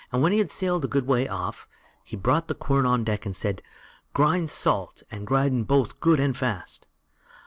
When he had sailed a good way off, he brought the quern on deck and said: "Grind salt, and grind both good and fast."